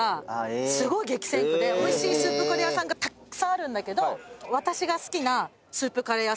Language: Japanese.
おいしいスープカレー屋さんがたくさんあるんだけど。